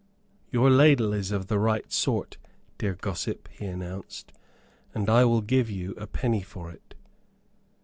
"Your ladle is of the right sort, dear gossip," he announced, "and I will give you a penny for it."